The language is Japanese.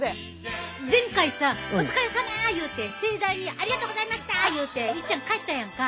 言うて盛大に「ありがとうございました！」言うていっちゃん帰ったやんか。